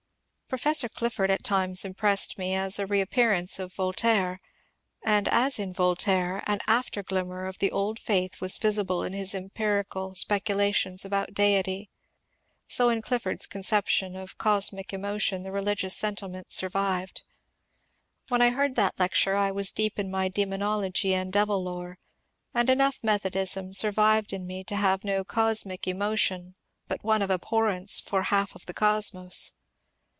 Professor Clifford at times impressed me as a reappearance of Voltaire ; and, as in Voltaire, an after glimmer of the old faith was visible in his empirical speculations about deity, so in Clifford's conception of " Cosmic Emotion " the religious sentiment survived. When I heard that lecture I was deep in my " Demonology and Devil Lore," and enough Methodism survived in me to have no ^^ cosmic emotion " but one of ab horrence for half of the cosmos.